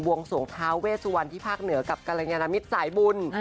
บวงสวงท้าเวสุวรรณที่ภาคเหนือกับกรรณญนามิตสายบุญ